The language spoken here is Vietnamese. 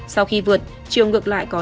sau khi vượt chiều ngược lại có